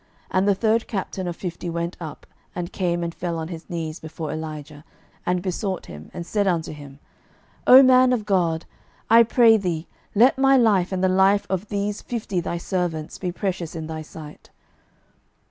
And the third captain of fifty went up, and came and fell on his knees before Elijah, and besought him, and said unto him, O man of God, I pray thee, let my life, and the life of these fifty thy servants, be precious in thy sight.